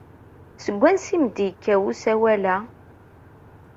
Seg wansi ay am-d-yekka usawal-a?